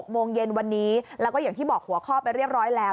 โมงเย็นวันนี้แล้วก็อย่างที่บอกหัวข้อไปเรียบร้อยแล้ว